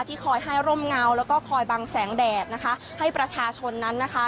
คอยให้ร่มเงาแล้วก็คอยบังแสงแดดนะคะให้ประชาชนนั้นนะคะ